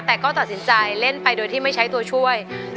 แต่ก็ตัดสินใจเล่นไปโดยที่ไม่ใช้ตัวช่วย